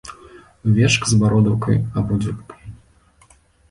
Вечка з бародаўкай або дзюбкай.